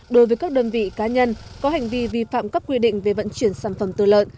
đối với các đơn vị cá nhân có hành vi vi phạm các quy định về vận chuyển sản phẩm tư lợn